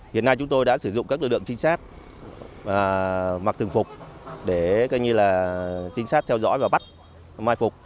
hiện nay chúng tôi đã sử dụng các đội lượng trinh sát mặc thường phục để trinh sát theo dõi và bắt mai phục